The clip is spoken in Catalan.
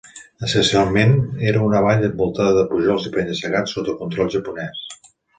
Essencialment, era una vall envoltada de pujols i penya-segats sota control japonès.